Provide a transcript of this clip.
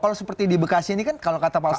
kalau seperti di bekasi ini kan kalau kata palsu